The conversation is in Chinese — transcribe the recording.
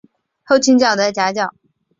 后倾角的夹角。